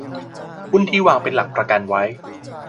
หุ้นที่วางเป็นหลักประกันไว้